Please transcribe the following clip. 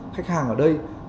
khách hàng ở đây